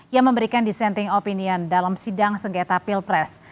yang memberikan dissenting opinion dalam sidang sengketa pilpres